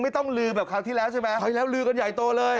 ต้องลือแบบคราวที่แล้วใช่ไหมเอาอีกแล้วลือกันใหญ่โตเลย